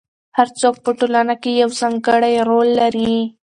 هر څوک په ټولنه کې یو ځانګړی رول لري.